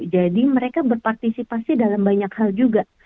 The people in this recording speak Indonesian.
jadi mereka berpartisipasi dalam banyak hal juga